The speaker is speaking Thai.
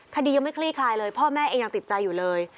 คดียังไม่คลี่คลายเลยพ่อแม่เองยังติดใจอยู่เลย